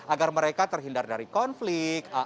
agar mereka terhindar dari konflik